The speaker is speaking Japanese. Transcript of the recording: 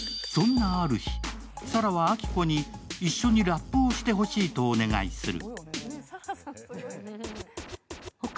そんなある日、沙羅は明子に一緒にラップをしてほしいとお願いする。